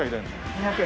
２００円。